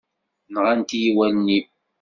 Nɣant-iyi wallen-im?